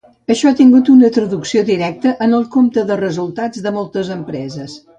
Això ha tingut una traducció directa en el compte de resultats de moltes empreses.